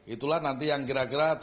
itulah nanti yang kira kira